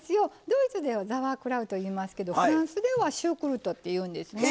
ドイツでは「ザワークラウト」いいますけどフランスでは「シュークルート」っていうんですね。